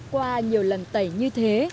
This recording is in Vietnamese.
qua nhiều lần tẩy như thế